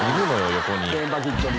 横に。